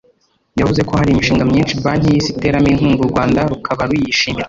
yavuze ko hari imishinga myinshi Banki y’Isi iteramo inkunga u Rwanda rukaba ruyishimira